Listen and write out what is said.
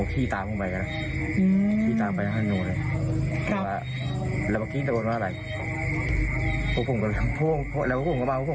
พี่เลยดังกลับภูมิว่ามันจะแทนกับคนที่หาเรื่องคุณ